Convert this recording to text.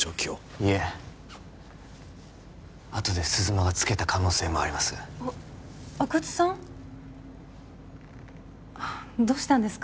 いえあとで鈴間がつけた可能性もありますあっ阿久津さん？どうしたんですか？